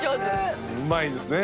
うまいですね。